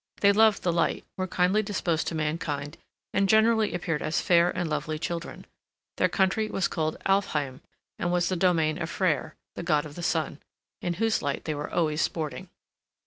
They loved the light, were kindly disposed to mankind, and generally appeared as fair and lovely children. Their country was called Alfheim, and was the domain of Freyr, the god of the sun, in whose light they were always sporting.